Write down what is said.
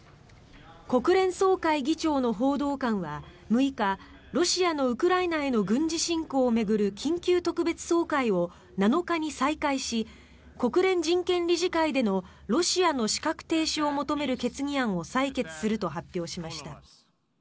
国連総会議長の報道官は６日ロシアのウクライナへの軍事侵攻を巡る緊急特別総会を７日に再開し国連人権理事会での、ロシアの資格停止を求める決議案を採決すると発表しました。